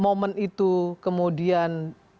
momen itu kemudian